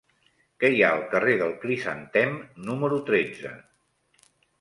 Què hi ha al carrer del Crisantem número tretze?